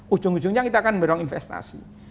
ujung ujungnya kita akan mendorong investasi